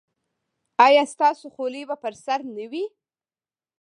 ایا ستاسو خولۍ به پر سر نه وي؟